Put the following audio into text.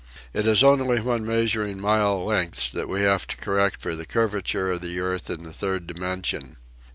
It is only when measuring mile lengths that we have to correct for the curvature of the earth in the third dimension.